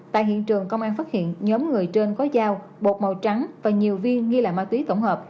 tại hiện trường công an phát hiện nhóm người trên có dao bột màu trắng và nhiều viên nghi là ma túy tổng hợp